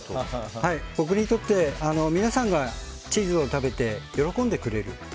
僕にとって皆さんがチーズを食べて喜んでくれる。